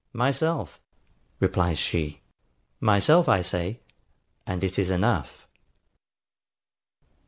MYSELF, replies she; MYSELF I SAY, AND IT IS ENOUGH.